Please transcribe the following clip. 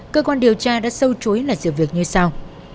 cơ quan điều tra đã sâu chối là sự việc như sau